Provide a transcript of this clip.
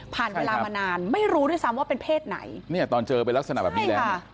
เวลามานานไม่รู้ด้วยซ้ำว่าเป็นเพศไหนเนี่ยตอนเจอเป็นลักษณะแบบนี้แล้ว